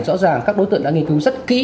rõ ràng các đối tượng đã nghiên cứu rất kỹ